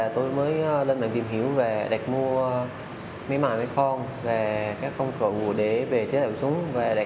tôi mới lên mạng tìm hiểu và đặt mua máy móc máy phong và các công cụ để về chế tạo súng